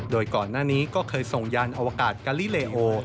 โดยก่อนหน้านี้ก็เคยส่งยานอวกาศกะลิเลโอ